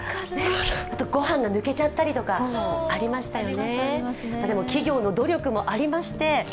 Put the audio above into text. ご飯が抜けちゃったりとかありましたよね。